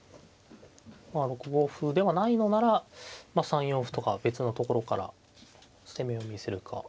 ６五歩ではないのなら３四歩とか別のところから攻めを見せるか。